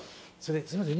すいません